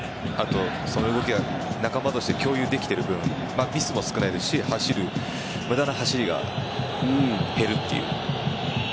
その動きが仲間として共有できてる分ミスも少ないですし無駄な走りが減るという。